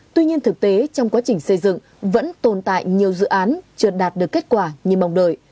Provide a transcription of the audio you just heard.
tuy nhiên thực tế trong quá trình xây dựng vẫn tồn tại nhiều dự án chưa đạt được kết quả như mong đợi